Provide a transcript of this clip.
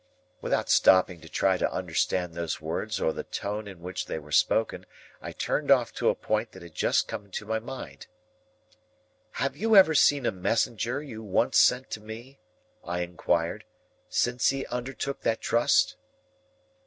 Without stopping to try to understand those words or the tone in which they were spoken, I turned off to a point that had just come into my mind. "Have you ever seen a messenger you once sent to me," I inquired, "since he undertook that trust?"